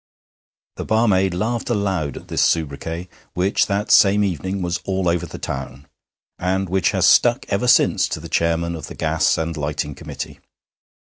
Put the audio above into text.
The barmaid laughed aloud at this sobriquet, which that same evening was all over the town, and which has stuck ever since to the Chairman of the Gas and Lighting Committee.